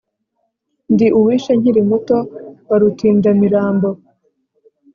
ndi uwishe nkiri muto wa rutindamirambo